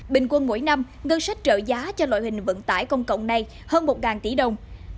bình quân mỗi năm ngân sách trợ giá cho loại hình vận tải công cộng này hơn một tỷ đồng